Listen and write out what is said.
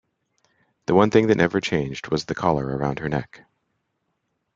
The one thing that never changed was the collar around her neck.